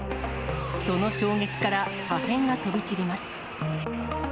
その衝撃から破片が飛び散ります。